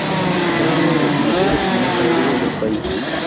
Es uno de los mayores y más antiguos del país.